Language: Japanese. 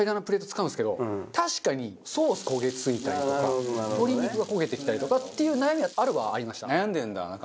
確かにソース焦げついたりとか鶏肉が焦げてきたりとかっていう悩みはあるはありました。